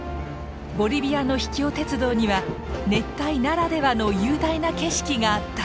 ボリビアの秘境鉄道には熱帯ならではの雄大な景色があった。